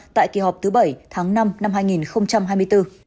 tại kỳ họp thứ bảy tháng năm năm hai nghìn hai mươi bốn